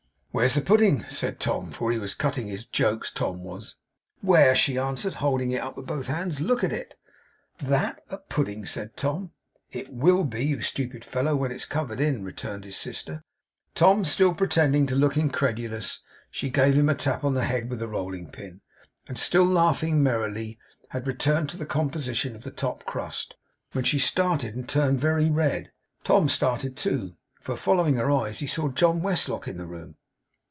'Where's the pudding?' said Tom. For he was cutting his jokes, Tom was. 'Where!' she answered, holding it up with both hands. 'Look at it!' 'THAT a pudding!' said Tom. 'It WILL be, you stupid fellow, when it's covered in,' returned his sister. Tom still pretending to look incredulous, she gave him a tap on the head with the rolling pin, and still laughing merrily, had returned to the composition of the top crust, when she started and turned very red. Tom started, too, for following her eyes, he saw John Westlock in the room.